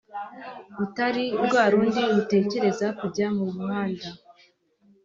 rutari rwa rundi rutekereza kujya mu muhanda